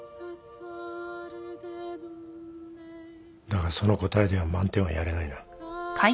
だがその答えでは満点はやれないな。